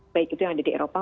baik itu yang ada di eropa